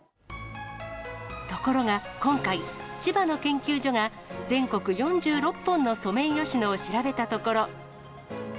ところが、今回、千葉の研究所が全国４６本のソメイヨシノを調べたところ。